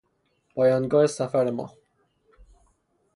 پایانگاه سفر ما